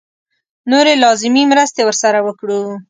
نورې لازمې مرستې ورسره وکړو.